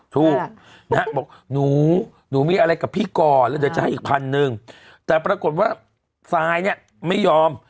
ถูกนะฮะบอกหนูหนูมีอะไรกับพี่ก่อนแล้วเดี๋ยวจะให้อีกพันหนึ่งแต่ปรากฏว่าซายเนี่ยไม่ยอม